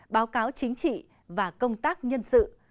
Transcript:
báo cáo chính trị và công tác nhân sự